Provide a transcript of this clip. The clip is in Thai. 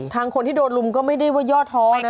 ทางคนที่โดดรุมก็ไม่ได้ว่ายอดท้อน่ะ